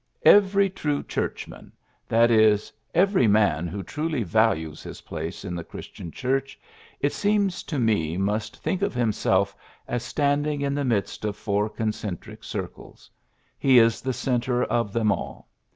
PHILLIPS BEOOKS 57 ^' Every true Churchman, that is, every man who truly values his place in the Christian Church, it seems to me, must think of himself as standing in the midst of four concentric circles. He is the centre of them all.